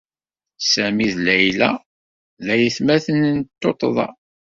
Sami d Layla d aytmaten s tuṭṭḍa.